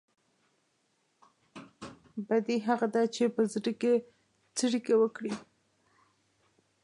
بدي هغه ده چې په زړه کې څړيکه وکړي.